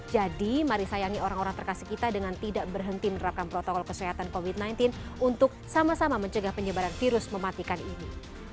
jadi mari sayangi orang orang terkasih kita dengan tidak berhenti menerapkan protokol kesehatan covid sembilan belas untuk sama sama mencegah penyebaran virus mematikan ini